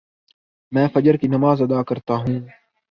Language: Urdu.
میں فجر کی نماز ادا کر تاہوں